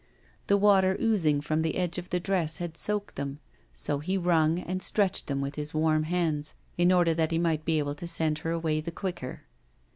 The water oozing from the edge of the dress had soaked them, so he wrung and stretched them with his warm hands, in order that he might be able to send her away the quicker.